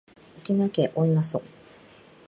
沖縄県恩納村